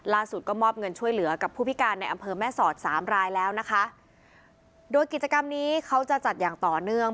ก็มอบเงินช่วยเหลือกับผู้พิการในอำเภอแม่สอดสามรายแล้วนะคะโดยกิจกรรมนี้เขาจะจัดอย่างต่อเนื่อง